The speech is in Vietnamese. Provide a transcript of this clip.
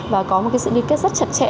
và có một sự liên kết rất chặt chẽ